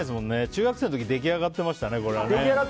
中学生の時に出来上がってましたね。